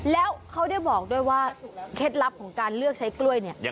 แล้วเขาได้บอกด้วยว่าเคล็ดลับของการเลือกใช้กล้วยเนี่ย